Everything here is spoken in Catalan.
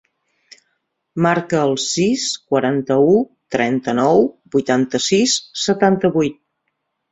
Marca el sis, quaranta-u, trenta-nou, vuitanta-sis, setanta-vuit.